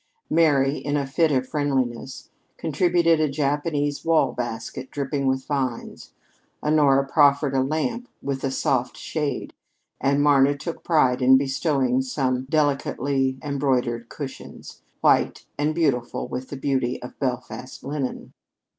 Mary, in a fit of friendliness, contributed a Japanese wall basket dripping with vines; Honora proffered a lamp with a soft shade; and Marna took pride in bestowing some delicately embroidered cushions, white, and beautiful with the beauty of Belfast linen.